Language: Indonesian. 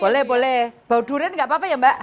boleh boleh bau durian nggak apa apa ya mbak